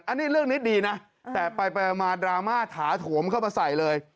อันนี้เรื่องนี้ดีนะแต่ไปมาดราม่าถาโถมเข้ามาใส่เลย